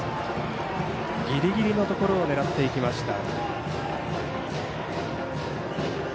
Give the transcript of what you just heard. ギリギリのところを狙っていきました。